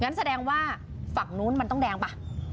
แสดงว่าฝั่งนู้นมันต้องแดงป่ะ